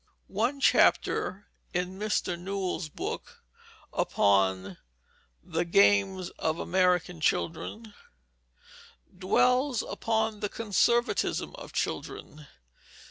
One chapter in Mr. Newell's book upon the Games of American Children dwells upon the conservatism of children.